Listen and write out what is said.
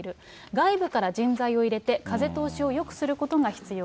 外部から人材を入れて風通しをよくすることが必要だ。